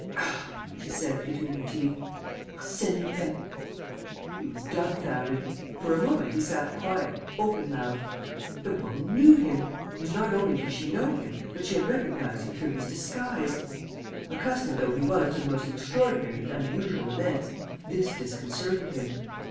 "Ah!" she said, between her teeth. "Arsène Lupin!" He was dumbfounded. For a moment he sat quiet, open mouthed. The woman knew him! And not only did she know him, but she had recognized him through his disguise! Accustomed though he was to the most extraordinary and unusual events, this disconcerted him.